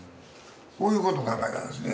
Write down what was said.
こういうこと考えたんですね。